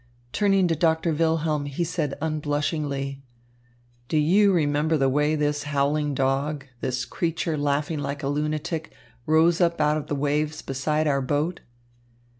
Turning to Doctor Wilhelm he said unblushingly: "Do you remember the way this howling dog, this creature laughing like a lunatic, rose up out of the waves beside our boat?"